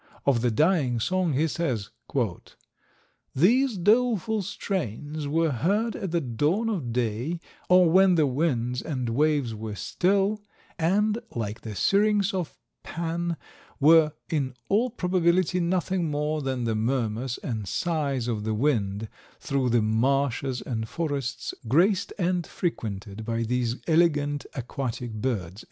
Of the dying song, he says, "These doleful strains were heard at the dawn of day or when the winds and waves were still, and, like the syrinx of Pan, were in all probability nothing more than the murmurs and sighs of the wind through the marshes and forests graced and frequented by these elegant aquatic birds."